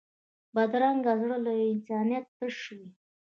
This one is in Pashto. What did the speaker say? بدرنګه زړه له انسانیت تش وي